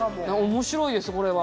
面白いですこれは。